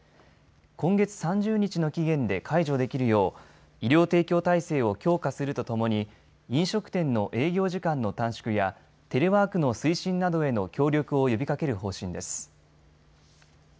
今月３０日の期限で解除できるよう医療提供体制を強化するとともに飲食店の営業時間の短縮やテレワークの推進などへの協力を呼びかける方針です。